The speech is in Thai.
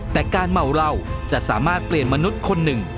แต่การเมาเหล้าจะสามารถเปลี่ยนมนุษย์คนหนึ่ง